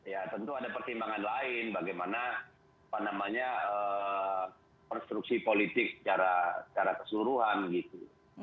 ya tentu ada pertimbangan lain bagaimana konstruksi politik secara keseluruhan gitu